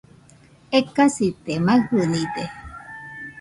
Ekasite, maɨjɨnide